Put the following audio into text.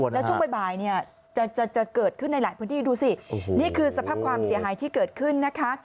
แล้วช่วงบ่ายเนี่ยจะเกิดขึ้นในหลายพื้นที่ดูสินี่คือสภาพความเสียหายที่เกิดขึ้นนะคะ